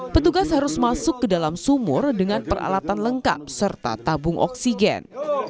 petugas harus masuk ke dalam sumur dengan peralatan lengkap serta tabung oksigen